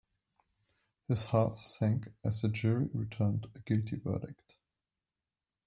His heart sank as the jury returned a guilty verdict.